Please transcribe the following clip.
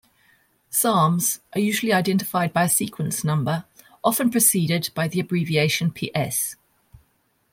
Psalms are usually identified by a sequence number, often preceded by the abbreviation Ps.